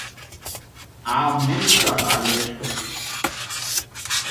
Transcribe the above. Há muito trabalho desta vez.